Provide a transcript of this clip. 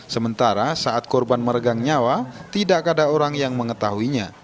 sementara saat korban meregang nyawa tidak ada orang yang mengetahuinya